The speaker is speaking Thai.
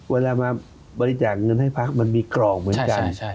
เวลามาบริจาคเงินให้พักมันมีกรอบเหมือนกัน